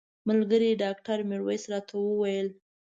ملګري ډاکټر میرویس راته وویل.